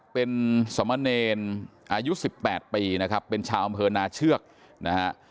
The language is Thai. เป็นสมเนรอายุ๑๘ปีนะครับเป็นชาวอำเภอนาเชือกนะฮะ